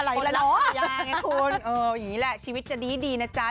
อะไรเนาะคุณอย่างนี้แหละชีวิตจะดีนะจ๊ะ